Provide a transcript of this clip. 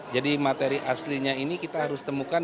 jadi materi aslinya ini kita harus temukan